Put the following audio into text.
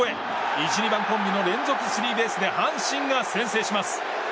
１、２番コンビの連続スリーベースで阪神が先制します。